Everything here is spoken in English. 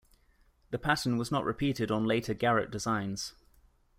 The pattern was not repeated on later Garratt designs.